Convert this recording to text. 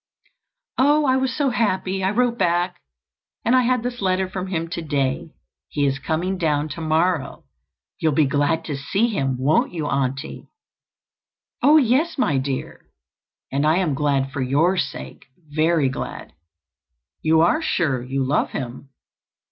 "Oh, I was so happy. I wrote back and I had this letter from him today. He is coming down tomorrow. You'll be glad to see him, won't you, Auntie?" "Oh, yes, my dear, and I am glad for your sake—very glad. You are sure you love him?"